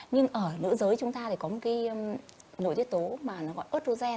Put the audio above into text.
nhưng ở nữ giới chúng ta có một nội tiết tố gọi là ớtrogen